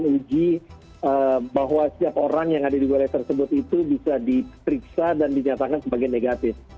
uji bahwa setiap orang yang ada di wilayah tersebut itu bisa diperiksa dan dinyatakan sebagai negatif